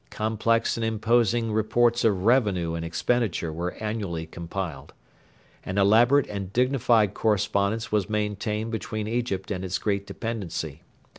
Complex and imposing reports of revenue and expenditure were annually compiled. An elaborate and dignified correspondence was maintained between Egypt and its great dependency.